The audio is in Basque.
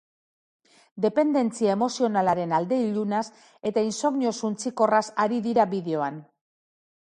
Dependentzia emozionalaren alde ilunaz eta insomnio suntsikorraz ari dira bideoan.